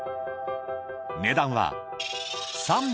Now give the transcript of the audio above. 値段は。